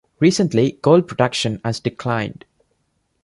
Recently, gold production has declined.